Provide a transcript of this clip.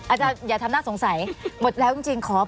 อาจารย์อย่าทำหน้าสงสัยหมดแล้วจริงขออภัย